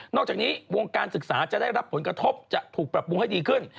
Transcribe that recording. อกจากนี้วงการศึกษาจะได้รับผลกระทบจะถูกปรับปรุงให้ดีขึ้น